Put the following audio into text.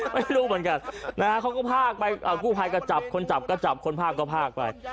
ไม่รู้เหมือนกันนะฮะเขาก็พากไปกู้ภัยก็จับคนจับก็จับคนพากก็พากไป